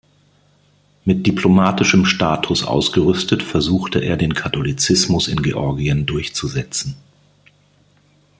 Mit diplomatischem Status ausgerüstet, versuchte er den Katholizismus in Georgien durchzusetzen.